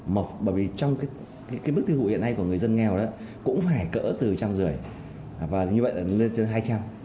một bởi vì trong cái cái mức tiêu hụ hiện nay của người dân nghèo đó cũng phải cỡ từ trăm rưỡi và như vậy lên tới hai trăm